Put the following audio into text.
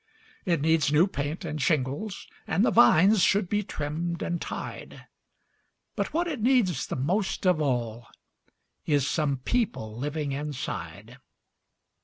It needs new paint and shingles, and the vines should be trimmed and tied; But what it needs the most of all is some people living inside.